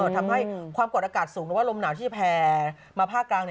ทำให้ความกดอากาศสูงหรือว่าลมหนาวที่แผ่มาภาคกลาง